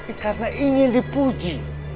tapi karena ingin dipuji